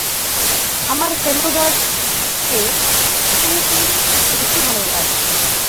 আমার ফেলুদার চেয়ে কিরীটী বেশি ভালো লাগে।